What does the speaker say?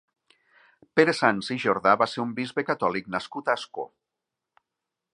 Pere Sans i Jordà va ser un bisbe catòlic nascut a Ascó.